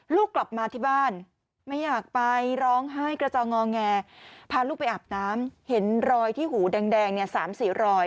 ลูกกลับมาที่บ้านไม่อยากไปร้องไห้กระจองงอแงพาลูกไปอาบน้ำเห็นรอยที่หูแดงเนี่ย๓๔รอย